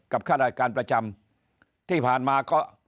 กับข้าราชการประจำที่ผ่านมา